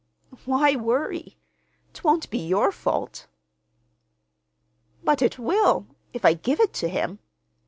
"Why worry? 'Twon't be your fault." "But it will—if I give it to him.